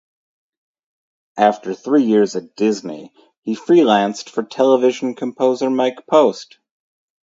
After three years at Disney, he freelanced for television composer Mike Post.